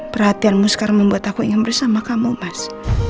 perhatianmu sekarang membuat aku ingin bersama kamu mas